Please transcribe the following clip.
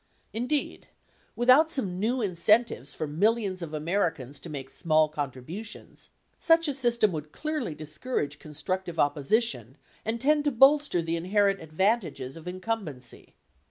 Indeed, without some new incentives for millions of Americans to make small contributions, such a system would clearly discourage constructive opposition and tend to bolster the inherent advantages of incumbency.